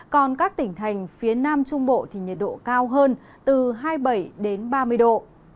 còn các tỉnh thành phía nam trung bộ thì nhiệt độ cao hơn từ hai mươi bảy đến ba mươi độ